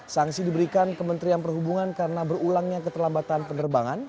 sanksi diberikan kementerian perhubungan karena berulangnya keterlambatan penerbangan